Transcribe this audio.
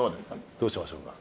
どうしましょうか。